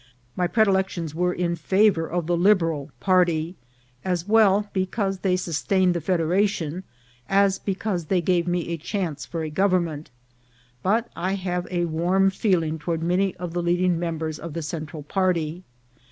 My predilections were in fa vour of the Liberal party, as well because they sustain ed the Federation as because they gave me a chance for a government ; but I have a warm feeling toward many of the leading members of the Central party.